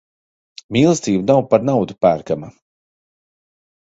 Mīlestība nav par naudu pērkama.